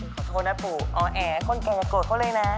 ขอโทษนะปู่อ๋อแอ๋คนแก่โกรธเขาเลยนะ